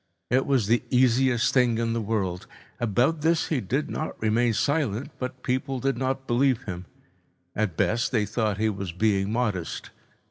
It was the easiest thing in the world. About this he did not remain silent, but people did not believe him. At best they thought he was being modest.